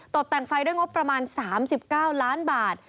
ตกแต่งไฟด้วยงบประมาณ๓๙ล้านบาท